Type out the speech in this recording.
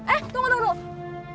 eh tunggu tunggu tunggu